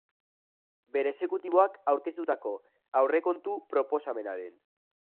Bere exekutiboak aurkeztutako aurrekontu proposamenaren.